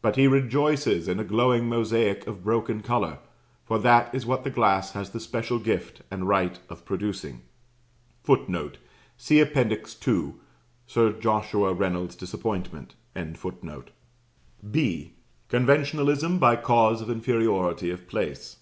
But he rejoices in a glowing mosaic of broken colour: for that is what the glass has the special gift and right of producing. [Footnote: See Appendix II., Sir Joshua Reynolds's disappointment.] (B.) Conventionalism by cause of inferiority of place.